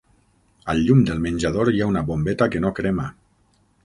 Al llum del menjador hi ha una bombeta que no crema.